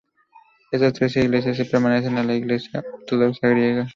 Estas tres iglesias pertenecen a la Iglesia Ortodoxa Griega.